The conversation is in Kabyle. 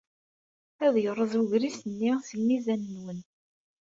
Ad yerreẓ ugris-nni s lmizan-nwen.